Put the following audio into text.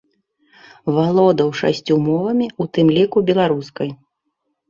Валодаў шасцю мовамі, у тым ліку беларускай.